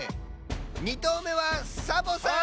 ２とうめはサボさん！